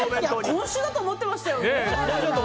今週だと思ってましたよ！